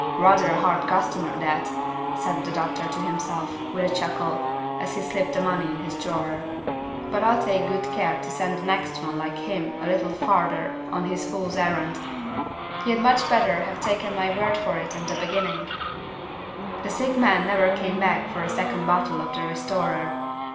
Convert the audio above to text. "Rather a hard customer that," said the doctor to himself, with a chuckle, as he slipped the money in his drawer. "But I'll take good care to send the next one like him a little farther on his fool's errand. He'd much better have taken my word for it in the beginning." The sick man never came back for a second bottle of the "Restorer."